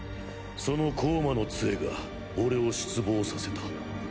その光魔の杖が俺を失望させた。